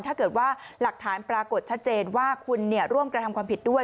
ถ้าเกิดว่าหลักฐานปรากฏชัดเจนว่าคุณร่วมกระทำความผิดด้วย